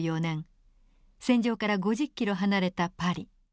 戦場から５０キロ離れたパリ。